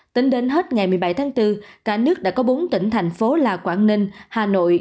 tính đến hết ngày một mươi bảy tháng bốn cả nước đã có bốn tỉnh thành phố là quảng ninh hà nội